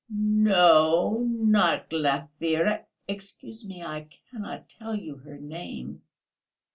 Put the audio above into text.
"No, not Glafira.... Excuse me, I cannot tell you her name."